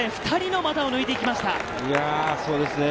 ２人の股を抜いていきました。